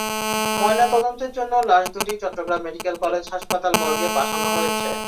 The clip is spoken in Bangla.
ময়নাতদন্তের জন্য লাশ দুটি চট্টগ্রাম মেডিকেল কলেজ হাসপাতাল মর্গে পাঠানো হয়েছে।